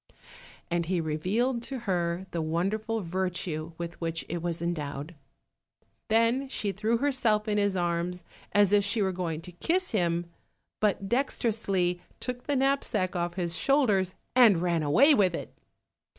And he revealed to her the wonderful virtue with which it was endowed. Then she threw herself in his arms as if she were going to kiss him, but dexterously took the knapsack off his shoulders, and ran away with it.